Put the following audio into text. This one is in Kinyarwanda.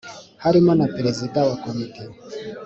harimo na Perezida wa Komite